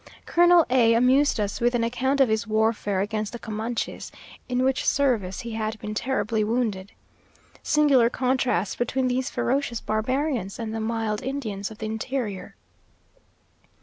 Colonel A amused us with an account of his warfare against the Comanches, in which service he had been terribly wounded. Singular contrast between these ferocious barbarians and the mild Indians of the interior!